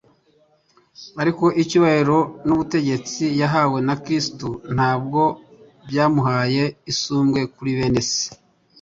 ariko icyubahiro n'ubutegetsi yahawe na Kristo ntabwo byamuhaye isumbwe kuri bene se.